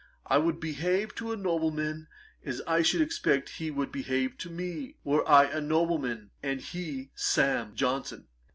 I would behave to a nobleman as I should expect he would behave to me, were I a nobleman and he Sam. Johnson.